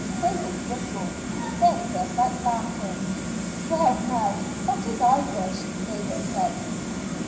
David whistled. Ben burst out laughing. "Well, now that is Irish," David said.